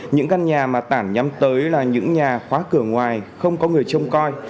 những căn nhà mà tản nhắm tới là những nhà khóa cửa ngoài không có người trông coi